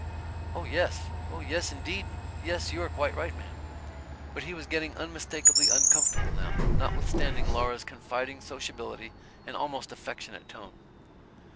"Oh, yes. Oh, yes, indeed. Yes, you are quite right, ma'm." But he was getting unmistakably uncomfortable, now, notwithstanding Laura's confiding sociability and almost affectionate tone.